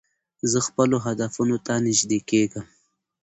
زه خپلو هدفونو ته نژدې کېږم.